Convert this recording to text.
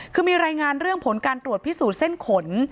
คือมีรายงานเรื่องผลการตรวจพิสูจน์เส้นขน